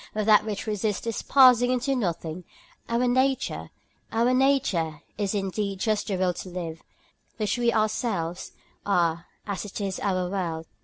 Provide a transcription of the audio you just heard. But that which resists this passing into nothing, our nature, is indeed just the will to live, which we ourselves are as it is our world.